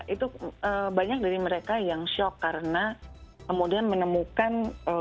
itu banyak dari mereka yang shock karena kemudian menemukan